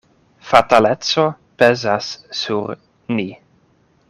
Fataleco pezas sur ni.